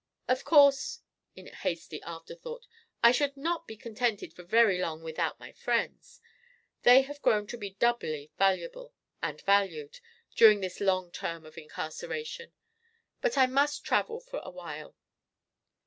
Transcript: Of course" (in hasty afterthought) "I should not be contented for very long without my friends; they have grown to be doubly valuable and valued during this long term of incarceration. But I must travel for a while."